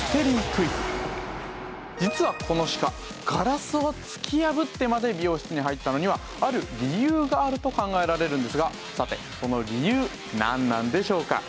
実はこのシカガラスを突き破ってまで美容室に入ったのにはある理由があると考えられるんですがさてその理由なんなんでしょうか？